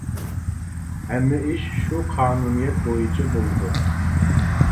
ھەممە ئىش شۇ قانۇنىيەت بويىچە بولىدۇ.